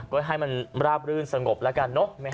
ก็ให้มันราบรื่นสงบแล้วกันเนอะ